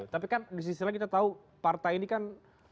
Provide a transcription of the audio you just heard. tapi kan disisilah kita tahu partai ini kan